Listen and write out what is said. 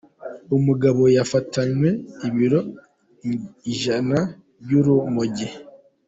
Umugabo Yafatanwe ibiro ijana by’urumogi